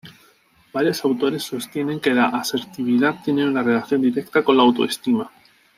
Varios autores sostienen que la asertividad tiene una relación directa con la autoestima.